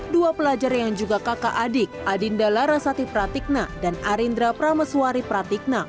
dua pelajar yang juga kakak adik adinda larasati pratikna dan arindra prameswari pratikna